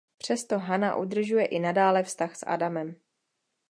Přesto Hanna udržuje i nadále vztah s Adamem.